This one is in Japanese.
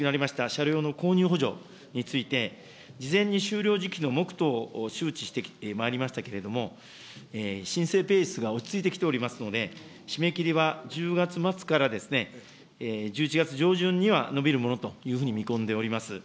車両の購入補助について、事前に終了時期の目途を周知してまいりましたけれども、申請ペースが落ち着いてきておりますので、締め切りは１０月末からですね、１１月上旬には延びるものというふうに見込んでおります。